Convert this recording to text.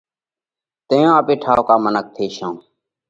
تئيون آپي ٺائُوڪا منک ٿيشون۔